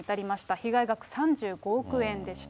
被害額３５億円でした。